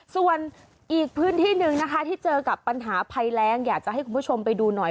ส่วนอีกพื้นที่หนึ่งนะคะที่เจอกับปัญหาภัยแรงอยากจะให้คุณผู้ชมไปดูหน่อย